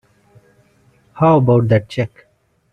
How about that check?